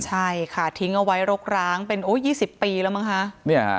ใช่ค่ะทิ้งเอาไว้รกร้างเป็น๒๐ปีแล้วมั้งคะ